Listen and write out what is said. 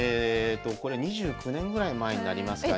これ２９年ぐらい前になりますかね。